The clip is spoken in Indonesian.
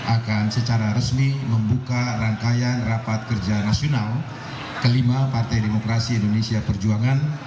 akan secara resmi membuka rangkaian rapat kerja nasional ke lima partai demokrasi indonesia perjuangan